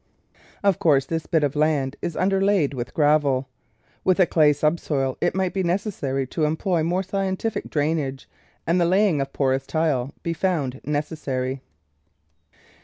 Of course this bit of land is underlaid with gravel. With a clay subsoil it might be necessary to employ more scientific drainage, and the laying of porous tile be found necessary.